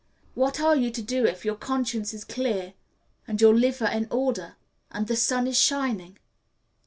What are you to do if your conscience is clear and your liver in order and the sun is shining?